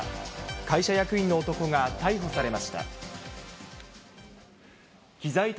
会社役員の男が逮捕されました。